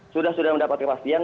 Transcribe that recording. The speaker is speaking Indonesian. sudah sudah mendapat kepastian